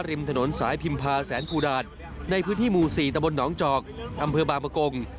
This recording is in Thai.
ริมถนนสายพิมพาแสนกูดาตในพื้นที่หมู่๔ตะบนหนองจอกอำเภอบางประกง